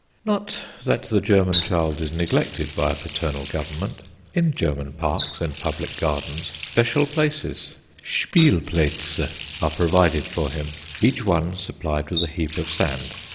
Not that the German child is neglected by a paternal Government. In German parks and public gardens special places (Spielplatze) are provided for him, each one supplied with a heap of sand.